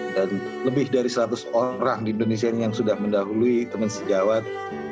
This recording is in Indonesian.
dan lebih dari seratus orang di indonesia ini yang sudah mendahului teman sejawat